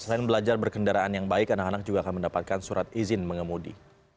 selain belajar berkendaraan yang baik anak anak juga akan mendapatkan surat izin mengemudi